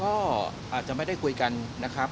ก็อาจจะไม่ได้คุยกันนะครับ